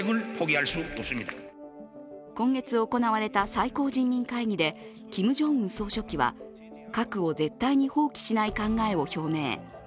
今月行われた最高人民会議でキム・ジョンウン総書記は核を絶対に放棄しない考えを表明。